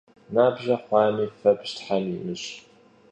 Nabje xhuami, febj them yimış'!